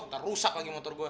ntar rusak lagi motor gue